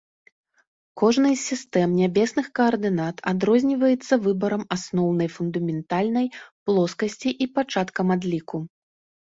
Кожнай з сістэм нябесных каардынат адрозніваецца выбарам асноўнай, фундаментальнай, плоскасці і пачаткам адліку.